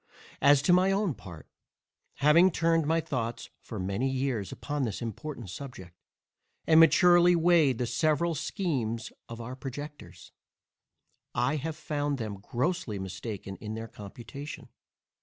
As to my own part, having turned my thoughts for many years upon this important subject, and maturely weighed the several schemes of our projectors, I have always found them grossly mistaken in their computation.